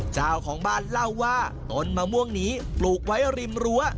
เจ้าของบ้านเล่าว่าต้นมะม่วงนี้ปลูกไว้ริมรั้ว